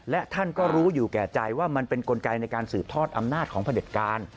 และท่านก็รู้อยู่แก่ใจว่ามันเป็นกลไกในการสืบทอดอำนาจของพระเด็จการ